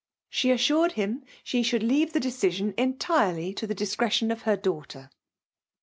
She assured him she should leave the decision entirely to the discretion of her daughter.